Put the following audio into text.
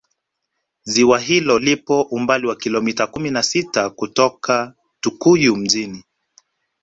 ziwa hilo lipo umbali wa Kilomita kumi na sita kutokea tukuyu mjini